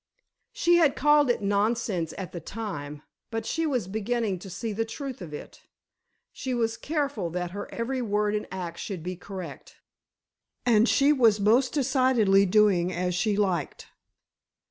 She had called it nonsense at the time, but she was beginning to see the truth of it. She was careful that her every word and act should be correct, and she was most decidedly doing as she liked.